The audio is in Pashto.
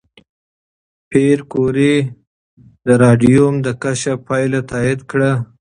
پېیر کوري د راډیوم د کشف پایله تایید کړه.